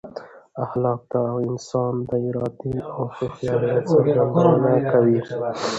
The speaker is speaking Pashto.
اخلاق د انسان د ارادې او هوښیارۍ څرګندونه کوي.